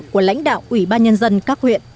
của lãnh đạo ủy ban nhân dân các huyện